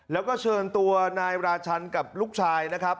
แล้วก็เชิญตัวนายราชันกับลูกชายนะครับ